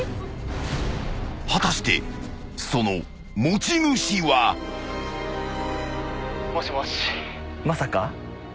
［果たしてその持ち主は］もしもし。